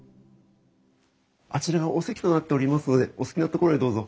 あちらがお席となっておりますのでお好きな所へどうぞ。